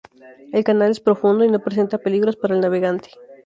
El canal es profundo y no presenta peligros para el navegante